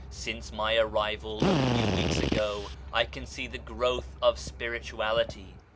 Since my arrival a few weeks ago, I can see the growth of Spirituality.